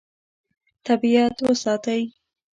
طبیعت وساتئ.